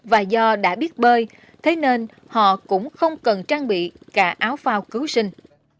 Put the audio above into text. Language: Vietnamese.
và do đã biết bơi thế nên họ cũng không cần trang bị cả áo phao cứu sinh